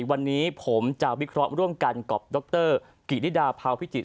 วันนี้ผมจะวิเคราะห์ร่วมกันกับดรกิริดาพาวพิจิตร